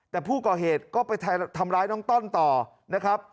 แต่ผู้ก่อเหตุก็ไปทำร้ายน้องต้อนต่อนะครับ